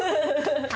ハハハ！